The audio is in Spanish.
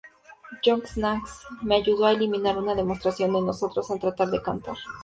John Shanks me ayudó a eliminar una demostración de nosotros al tratar de cantar.